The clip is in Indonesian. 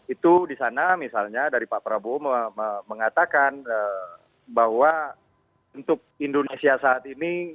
itu di sana misalnya dari pak prabowo mengatakan bahwa untuk indonesia saat ini